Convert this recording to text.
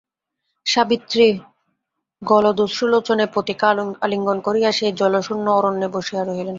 সাবিত্রী গলদশ্রুলোচনে পতিকে আলিঙ্গন করিয়া সেই জনশূন্য অরণ্যে বসিয়া রহিলেন।